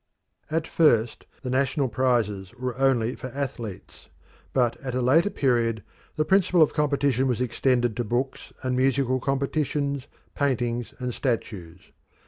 At first the national prizes were only for athletes, but at a later period the principle of competition was extended to books and musical compositions, paintings and statues.